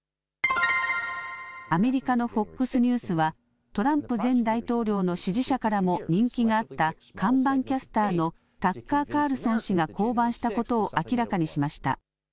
アメリカのＦＯＸニュースはトランプ前大統領の支持者からも人気があった看板キャスターのタッカー・カールソン氏が降板したことを明らかにしました。